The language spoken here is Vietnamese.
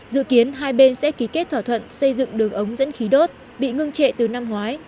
dự kiến hai bên sẽ ký kết thỏa thuận xây dựng đường ống dẫn khí đốt bị ngưng trệ từ năm ngoái